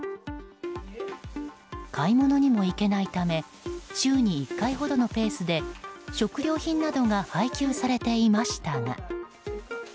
買い物にも行けないため週に１回ほどのペースで食料品などが配給されていましたが。